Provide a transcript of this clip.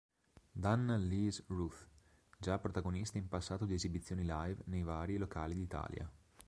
Danna Leese Routh, già protagonista in passato di esibizioni live nei vari locali d'Italia.